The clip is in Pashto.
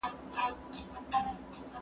مور د ماشوم د جامو تودوخه ارزوي.